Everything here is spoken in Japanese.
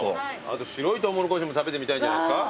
白いトウモロコシも食べてみたいんじゃないですか？